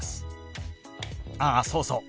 あっそうそう。